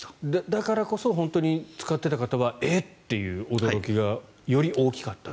だからこそ本当に使っていた方はえっ？という驚きがより大きかったと。